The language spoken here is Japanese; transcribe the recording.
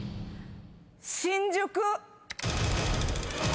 新宿。